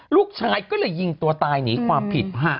ลูกชายก็เลยยิงตัวตายหนีความผิด